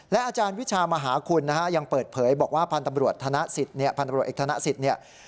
และอาจารย์วิชามหาคุณยังเปิดเผยบอกว่าพันธุ์ตำรวจเอกธนสิทธิ์เนี่ย